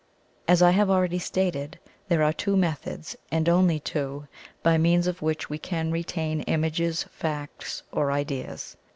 As I have already stated, there are two methods, and only two, by means of which we can retain images, facts or ideas.